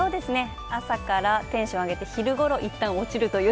朝からテンションを上げて昼ごろ一旦落ちるという